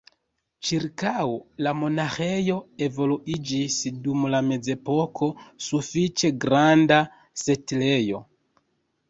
Ĉirkaŭ la monaĥejo evoluiĝis dum la mezepoko sufiĉe granda setlejo.